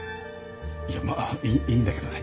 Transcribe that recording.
いやまあいいんだけどね。